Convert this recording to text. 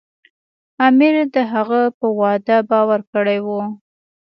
امیر د هغه په وعده باور کړی و.